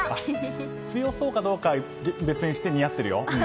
強そうかどうかは別にして似合っているよ。